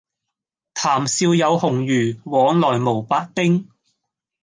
談笑有鴻儒，往來無白丁